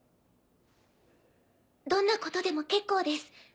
どんなことでも結構です。